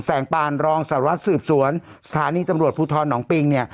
งปานรองสารวัตรสืบสวนสถานีตำรวจภูทรหนองปิงเนี่ย